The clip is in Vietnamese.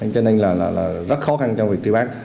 cho nên là rất khó khăn trong việc tri bán